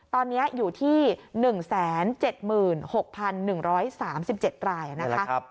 ตอนนี้อยู่ที่๑๗๖๑๓๗รายนะคะ